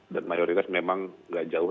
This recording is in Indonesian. dan mayoritas memang tidak jauh